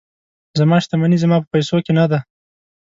زما شتمني زما په پیسو کې نه ده.